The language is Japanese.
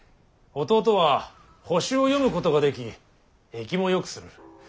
弟は星を読むことができ易もよくする。